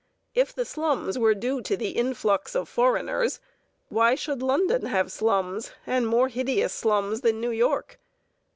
If the slums were due to the influx of foreigners, why should London have slums, and more hideous slums than New York?